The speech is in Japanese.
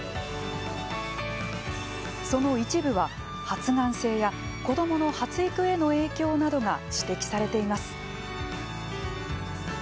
その一部は、発がん性や子どもの発育への影響などが指摘されています。